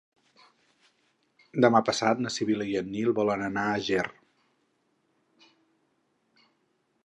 Demà passat na Sibil·la i en Nil volen anar a Ger.